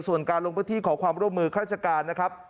ส่วนการลงพื้นที่ขอความร่วมมือข้าราชการนะครับ